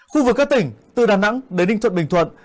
khu vực các tỉnh từ đà nẵng đến ninh thuận bình thuận